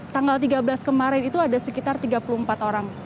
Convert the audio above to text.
tanggal tiga belas kemarin itu ada sekitar tiga puluh empat orang